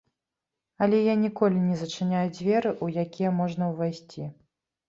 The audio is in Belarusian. Але я ніколі не зачыняю дзверы, у якія можна ўвайсці.